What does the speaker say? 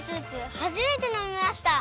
はじめてのみました！